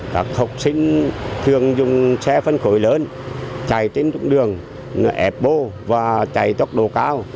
các học sinh thường dùng xe phân khối lớn chạy trên đường ẹp bô và chạy tốc độ cao